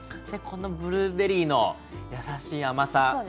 このブルーベリーのやさしい甘さ。